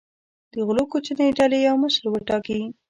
د غلو کوچنۍ ډلې یو مشر وټاکي.